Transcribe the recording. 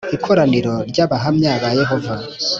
ikoraniro ry Abahamya ba Yehova